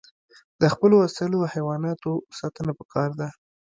د خپلو وسایلو او حیواناتو ساتنه پکار ده.